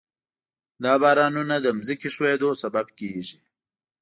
دا بارانونه د ځمکې ښویېدو سبب کېږي.